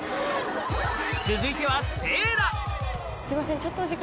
続いてはすいません。